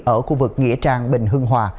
ở khu vực nghĩa trang bình hưng hòa